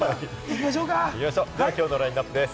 きょうのラインナップです。